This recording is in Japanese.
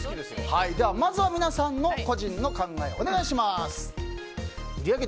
まずは皆さんの個人の考えをお願いします。